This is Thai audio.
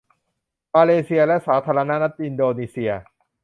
มาเลเซียและสาธารณรัฐอินโดนีเซีย